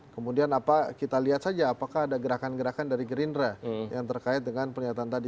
kemudian kita lihat saja apakah ada gerakan gerakan dari gerindra yang terkait dengan pernyataan tadi